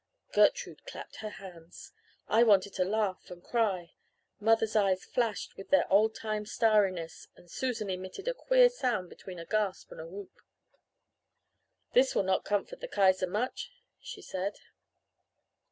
Gertrude clapped her hands. I wanted to laugh and cry, mother's eyes flashed with their old time starriness and Susan emitted a queer sound between a gasp and a whoop. "This will not comfort the Kaiser much,' she said.